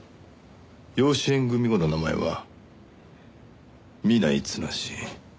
養子縁組後の名前は南井十。